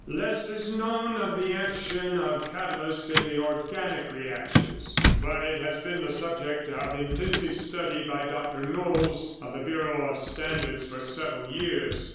"Less is known of the action of catalysts in the organic reactions, but it has been the subject of intensive study by Dr. Knolles of the Bureau of Standards for several years.